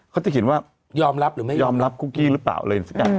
เขาจะเขียนว่ายอมรับหรือไม่ยอมรับคุกกี้หรือเปล่าอะไรสักอย่าง